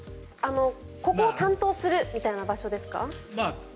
ここを担当するみたいな場所ですか？